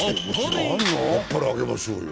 あっぱれあげましょうよ。